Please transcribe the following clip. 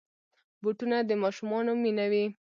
بوټونه د ماشومانو مینه وي.